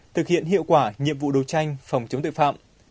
thực hiện hiệu quả nhiệm vụ đấu tranh phòng chống tội phạm